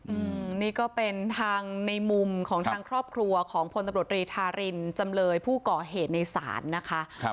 อืมนี่ก็เป็นทางในมุมของทางครอบครัวของพลตำรวจรีธารินจำเลยผู้ก่อเหตุในศาลนะคะครับ